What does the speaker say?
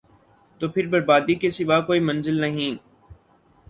تو پھر بربادی کے سوا کوئی منزل نہیں ۔